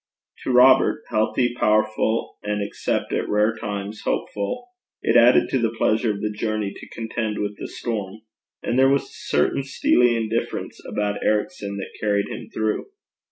To Robert, healthy, powerful, and except at rare times, hopeful, it added to the pleasure of the journey to contend with the storm, and there was a certain steely indifference about Ericson that carried him through.